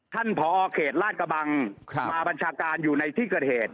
ผอเขตลาดกระบังมาบัญชาการอยู่ในที่เกิดเหตุ